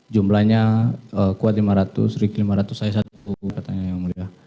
jumlahnya kuat lima ratus ricky lima ratus saya satu katanya yang mulia